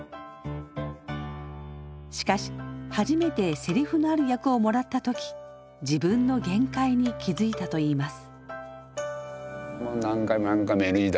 しかし初めてセリフのある役をもらった時自分の限界に気付いたといいます。